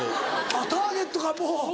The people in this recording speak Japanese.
あっターゲットがもう。